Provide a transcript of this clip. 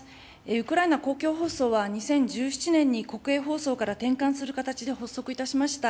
ウクライナ公共放送は、２０１７年に国営放送から転換する形で発足いたしました。